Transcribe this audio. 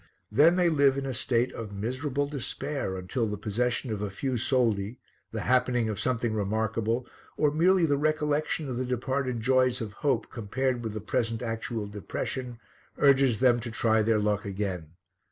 Then they live in a state of miserable despair until the possession of a few soldi, the happening of something remarkable, or merely the recollection of the departed joys of hope compared with present actual depression, urges them to try their luck again.